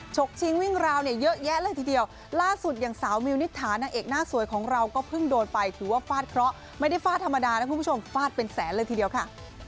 ชกชิงวิ่งราวเนี่ยเยอะแยะเลยทีเดียวล่าสุดอย่างสาวมิวนิษฐานางเอกหน้าสวยของเราก็เพิ่งโดนไปถือว่าฟาดเคราะห์ไม่ได้ฟาดธรรมดานะคุณผู้ชมฟาดเป็นแสนเลยทีเดียวค่ะ